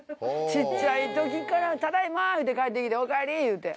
ちっちゃいときから「ただいま」言うて帰ってきて「おかえり」言うて。